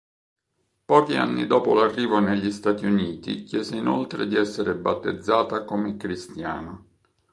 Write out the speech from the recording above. Pochi anni dopo l'arrivo negli Stati Uniti chiese inoltre di essere battezzata come cristiana.